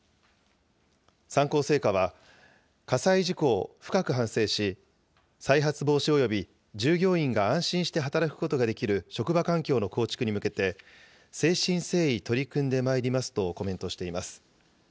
三幸製菓は、火災事故を深く反省し、再発防止及び従業員が安心して働くことができる職場環境の構築に向けて、誠心誠意取り組んでまいりますとコメントしています。